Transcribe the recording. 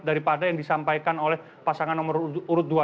daripada yang disampaikan oleh pasangan nomor urut dua